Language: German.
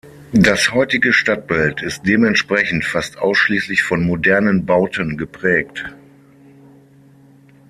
Das heutige Stadtbild ist dementsprechend fast ausschließlich von modernen Bauten geprägt.